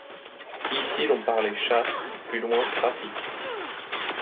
Ici l’on parlait chasse, plus loin trafic.